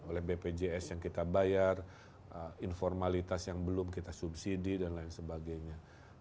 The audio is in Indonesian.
oleh bpjs yang kita bayar informalitas yang belum kita subsidi dan lain sebagainya